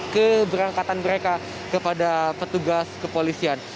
keberangkatan mereka kepada petugas kepolisian